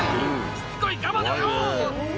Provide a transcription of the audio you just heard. しつこいカバだよ！」